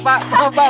pak pak pak